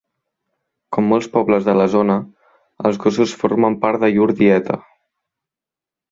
Com molts pobles de la zona, els gossos formen part de llur dieta.